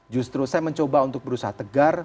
justru saya mencoba untuk berusaha tegar